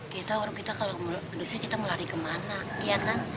kita orang kita kalau melarikan kita melari kemana iya kan